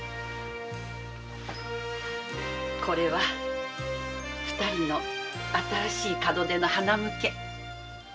これは二人の新しい門出の餞。